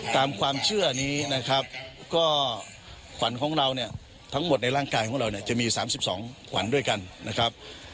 ตามความเชื่อนี้นะครับก็ขวัญของเราเนี่ยทั้งหมดในร่างกายของเราเนี่ยจะมี๓๒ขวัญด้วยกันนะครับ